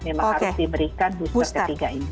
memang harus diberikan booster ketiga ini